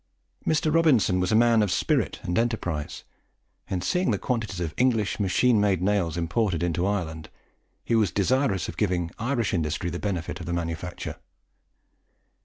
Mr. Robinson was a man of spirit and enterprise, and, seeing the quantities of English machine made nails imported into Ireland, he was desirous of giving Irish industry the benefit of the manufacture.